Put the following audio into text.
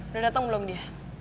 udah datang belum dia